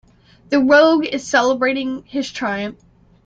The rogue is celebrating his triumph.